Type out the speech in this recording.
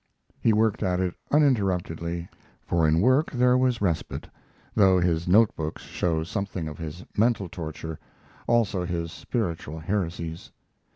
He worked at it uninterruptedly, for in work; there was respite, though his note books show something of his mental torture, also his spiritual heresies.